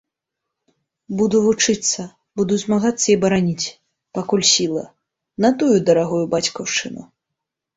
Буду вучыцца, буду змагацца і бараніць, пакуль сіла, натую дарагую бацькаўшчыну.